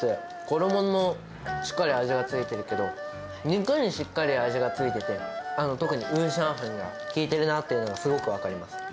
衣もしっかり味が付いているけど、肉にしっかり味が付いてて、特にウーシャンフェンが効いているなっていうのがすごく分かります。